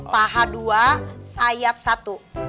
paha dua sayap satu